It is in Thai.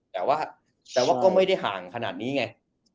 แต่ว่าก็ไม่ได้ห่างขนาดนี้ไง